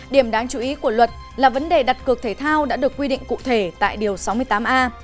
điểm đáng chú ý của luật là vấn đề đặt cược thể thao đã được quy định cụ thể tại điều sáu mươi tám a